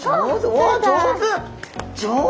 おっ上手！